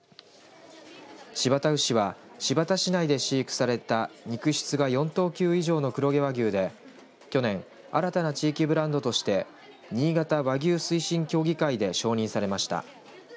新発田牛は新発田市内で飼育された肉質が４等級以上の黒毛和牛で去年、新たな地域ブランドとしてにいがた和牛推進協議会で承認されました。